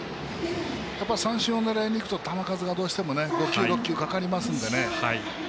三振を狙いにいくと球数がどうしても５球、６球かかりますので。